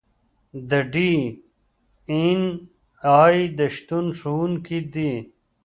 د ډي این اې د شتون ښودونکي دي.